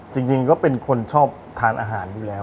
จริงก็เป็นคนชอบทานอาหารอยู่แล้ว